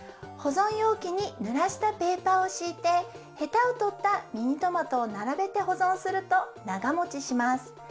ほぞんようきにぬらしたペーパーをしいてヘタをとったミニトマトをならべてほぞんするとながもちします。